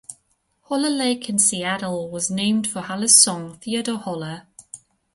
Haller Lake in Seattle is named for Haller's son, Theodore Haller.